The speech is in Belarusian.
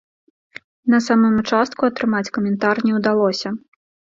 На самым участку атрымаць каментар не ўдалося.